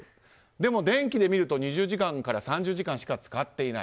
でも電気で見ると２０時間から３０時間しか使っていない。